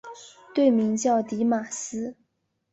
队名叫狄玛斯。